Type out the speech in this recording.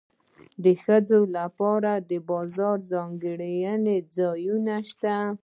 د ښځو لپاره د بازار ځانګړي ځایونه شته